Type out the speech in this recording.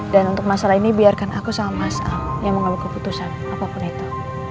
dan untuk masalah ini biarkan aku sama mas al yang mengambil keputusan apapun itu